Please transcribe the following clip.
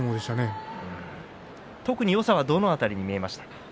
特によさはどんな点に見えましたか？